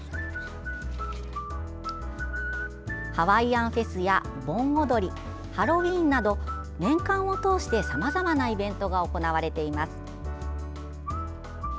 ハワイアンフェスや、盆踊りハロウィーンなど年間を通して、さまざまなイベントが行われています。